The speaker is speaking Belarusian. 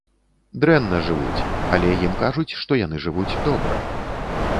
Дрэнна жывуць, але ім кажуць, што яны жывуць добра.